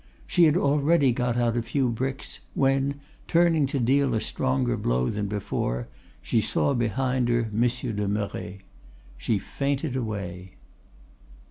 She had already got out a few bricks, when, turning to deal a stronger blow than before, she saw behind her Monsieur de Merret. She fainted away.